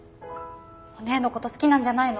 おねぇのこと好きなんじゃないの？